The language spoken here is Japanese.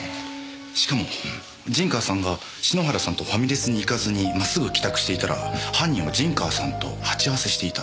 しかも陣川さんが篠原さんとファミレスに行かずに真っ直ぐ帰宅していたら犯人は陣川さんと鉢合わせしていた。